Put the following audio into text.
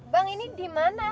bang ini dimana